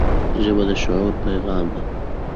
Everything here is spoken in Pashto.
ژبه د شعور پیغام ده